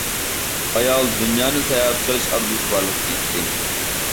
ئايال دۇنيانى ساياھەت قىلىش ئارزۇسى بارلىقىنى ئېيتتى.